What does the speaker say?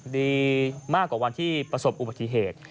ดีมากกว่าวันที่ประสบอุบัติเหตุ